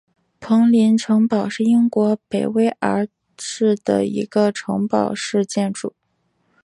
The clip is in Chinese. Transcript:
彭林城堡是英国北威尔士的一个城堡式建筑。